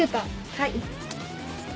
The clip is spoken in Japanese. はい。